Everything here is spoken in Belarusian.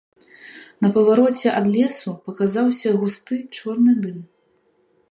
На павароце ад лесу паказаўся густы чорны дым.